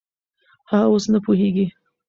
هغه اوس نه پوهېږي.